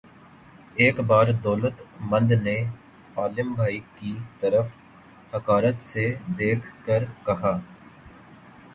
ایک بار دولت مند نے عالم بھائی کی طرف حقارت سے دیکھ کر کہا